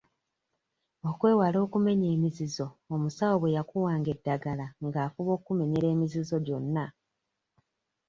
Okwewala okumenya emizizo omusawo bwe yakuwanga eddagala ng'afuba okkumenyera emizizo gyonna.